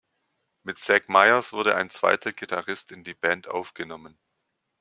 Mit Zach Myers wurde ein zweiter Gitarrist in die Band aufgenommen.